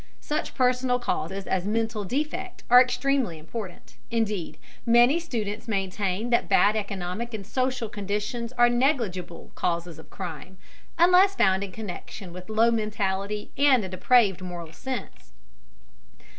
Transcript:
Such personal causes as mental defect are extremely important, indeed, many students maintain that bad economic and social conditions are negligible causes of crime, unless found in connection with low mentality and a depraved moral sense.